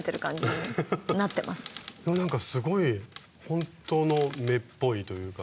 でもなんかすごい本当の目っぽいというか。